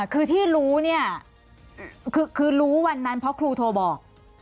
คือที่รู้เนี่ยคือรู้วันนั้นเพราะครูโทรบอก